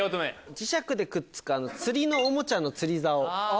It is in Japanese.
磁石でくっつくおもちゃの釣りざお。